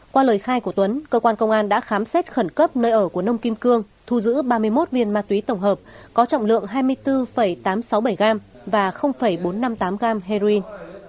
qua lời khai của tuấn cơ quan công an đã khám xét khẩn cấp nơi ở của nông kim cương thu giữ ba mươi một viên ma túy tổng hợp có trọng lượng hai mươi bốn tám trăm sáu mươi bảy gram và bốn trăm năm mươi tám gram heroin